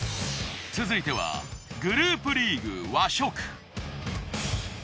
続いてはグループリーグ和食。